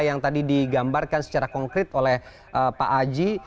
yang tadi digambarkan secara konkret oleh pak aji